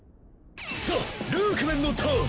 ザ・ルークメンのターン！